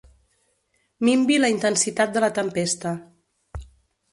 Minvi la intensitat de la tempesta.